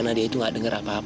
saya suka dengan maria